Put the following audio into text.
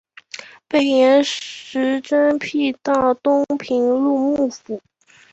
被严实征辟到东平路幕府。